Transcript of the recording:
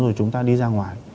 rồi chúng ta đi ra ngoài